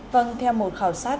vâng theo một khảo sát